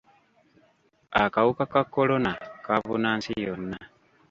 Akawuka ka kolona kaabuna nsi yonna.